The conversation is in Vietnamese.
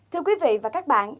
thưa quý vị và các bạn